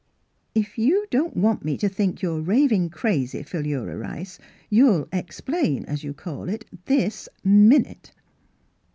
" If you don't want me to think you're raving crazy, Philura Rice, you'll explain, as you call it, this minute!